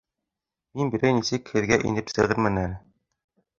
Мин берәй нисек һеҙгә инеп сығырмын әле